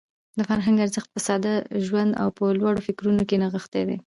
د فرهنګ ارزښت په ساده ژوند او په لوړو فکرونو کې نغښتی دی.